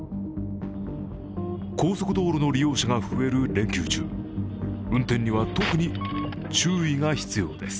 高速道路の利用者が増える連休中、運転には特に注意が必要です。